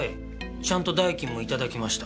ちゃんと代金もいただきました。